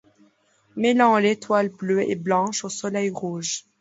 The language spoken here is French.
Mêlant l’étoile bleue et blanche au soleil rouge